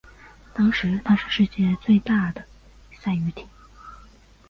当时她是世界最大的赛渔艇。